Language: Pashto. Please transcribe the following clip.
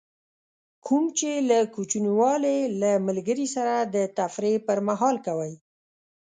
کوم چې له کوچنیوالي له ملګري سره د تفریح پر مهال کوئ.